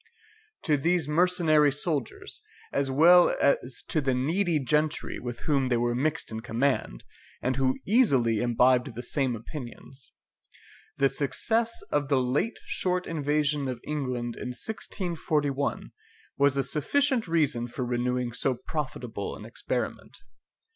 To these mercenary soldiers, as well as to the needy gentry with whom they were mixed in command, and who easily imbibed the same opinions, the success of the late short invasion of England in 1641 was a sufficient reason for renewing so profitable an experiment.